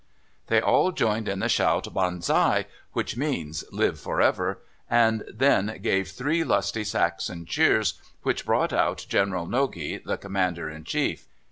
They all joined in the shout "Banzai!" which means "Live for ever!" and then gave three lusty Saxon cheers, which brought out General Nogi, the Commander in Chief.